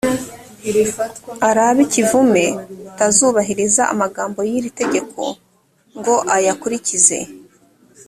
arabe ikivume utazubahiriza amagambo y’iri tegeko ngo ayakurikize